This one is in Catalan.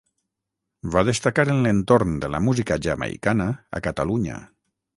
Va destacar en l'entorn de la música jamaicana a Catalunya.